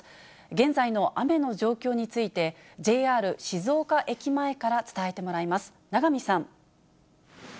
現在の雨の状況について、ＪＲ静岡駅前から伝えてもらいます。